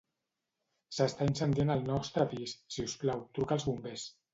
S'està incendiant el nostre pis, si us plau, truca als bombers.